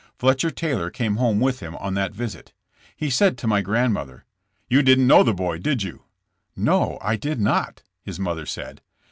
Fletcher Taylor came home with him on that visit. He said to my grandmother : "You didn't know the boy, did you?" '*No, I did not," his mother said.